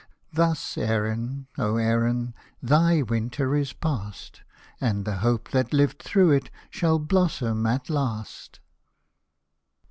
Thus Erin, O Erin, thy winter is past, And the hope that lived thro' it shall blossom at last.